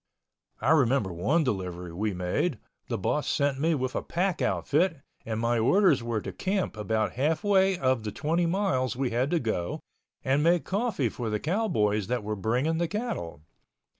I remember one delivery we made, the boss sent me with a pack outfit and my orders were to camp about halfway of the twenty miles we had to go and make coffee for the cowboys that were bringing the cattle.